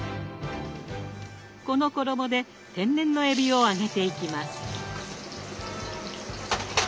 この衣で天然のえびを揚げていきます。